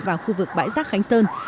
vào khu vực bãi rác khánh sơn